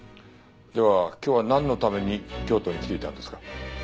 では今日はなんのために京都に来ていたんですか？